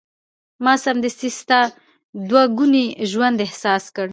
ما سمدستي ستا دوه ګونی ژوند احساس کړ.